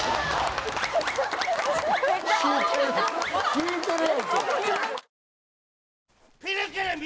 引いてる。